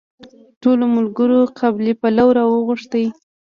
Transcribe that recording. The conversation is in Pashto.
ټولو ملګرو قابلي پلو راوغوښتل.